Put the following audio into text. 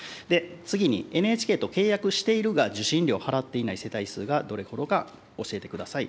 次に、ＮＨＫと契約しているが、受信料を払っていない世帯数がどれほどか教えてください。